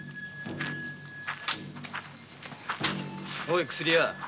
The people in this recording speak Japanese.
おい薬屋。